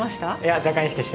若干意識してます。